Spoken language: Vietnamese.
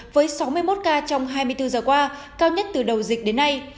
với sáu mươi một ca trong hai mươi bốn giờ qua cao nhất từ đầu dịch đến nay